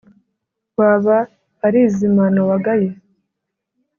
waba ari izimano wagaye?